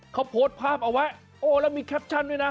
เขาโพสต์ภาพเอาไว้โอ้แล้วมีแคปชั่นด้วยนะ